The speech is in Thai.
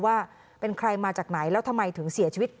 ว่าเป็นใครมาจากไหนแล้วทำไมถึงเสียชีวิต